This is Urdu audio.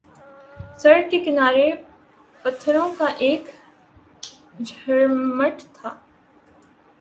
سڑک کے کنارے پتھروں کا ایک جھرمٹ تھا